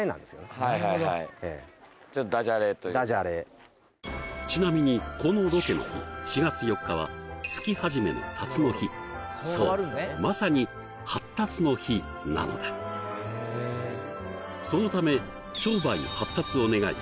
はいはいはいええちょっとダジャレというかダジャレちなみにこのロケの日４月４日は月初めの辰の日そうまさに初辰の日なのだそのため商売発達を願い